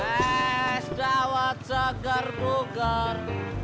es daud segar bugar